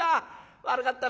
悪かったな。